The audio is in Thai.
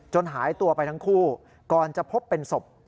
หายตัวไปทั้งคู่ก่อนจะพบเป็นศพ